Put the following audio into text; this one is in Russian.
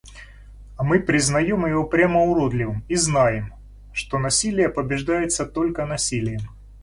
А мы признаем его прямо уродливым и знаем, что насилие побеждается только насилием.